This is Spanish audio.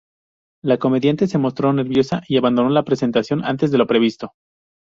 La comediante se mostró nerviosa y abandonó la presentación antes de lo previsto.